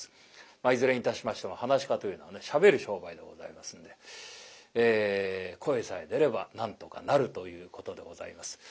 いずれにいたしましても噺家というのはねしゃべる商売でございますんで声さえ出ればなんとかなるということでございます。